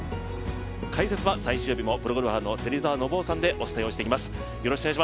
解説は最終日もプロゴルファーの芹澤信雄さんでお伝えしていきます。